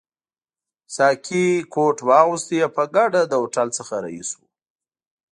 ساقي کوټ واغوست او په ګډه له هوټل څخه رهي شوو.